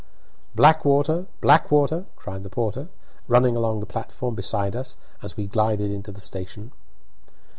"Blackwater! Blackwater!" cried the porter, running along the platform beside us as we glided into the station.